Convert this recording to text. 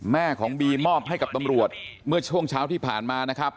แม่ของบีมอบให้กับตำรวจเมื่อช่วงเช้าที่ผ่านมานะครับ